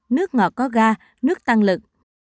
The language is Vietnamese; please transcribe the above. nước ngọt có ga nước tăng lực